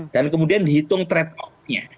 kemudian dihitung trade off nya